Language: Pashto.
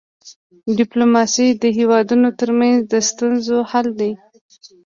ډيپلوماسي د هيوادونو ترمنځ د ستونزو حل دی.